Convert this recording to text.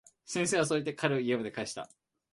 先生はそう言って、彼を家まで帰した。